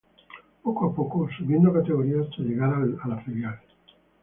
Poco a poco, subiendo categorías hasta llegar al filial.